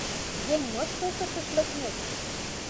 Еҥ мыскылтышыш лекнет.